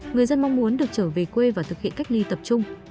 người dân mong muốn được trở về quê và thực hiện cách ly tập trung